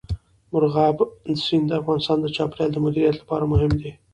مورغاب سیند د افغانستان د چاپیریال د مدیریت لپاره مهم دي.